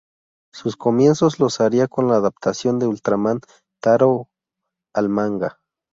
Sus comienzos los haría con la adaptación de Ultraman Taro al manga.